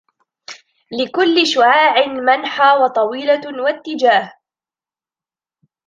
لكل شعاع منحى وطويلة و إتجاه